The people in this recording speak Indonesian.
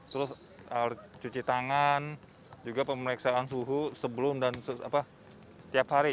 terus cuci tangan juga pemeriksaan suhu sebelum dan tiap hari